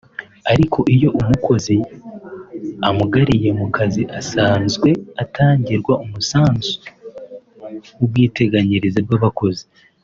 Ariko iyo umukozi amugariye mu kazi asazwe atangirwa umusanzu w’ubwiteganyirize bw’abakozi